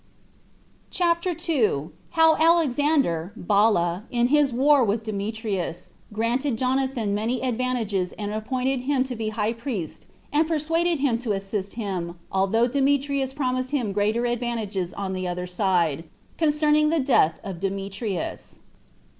CHAPTER 2. How Alexander [Bala] In His War With Demetrius, Granted Jonathan Many Advantages And Appointed Him To Be High Priest And Persuaded Him To Assist Him Although Demetrius Promised Him Greater Advantages On The Other Side. Concerning The Death Of Demetrius.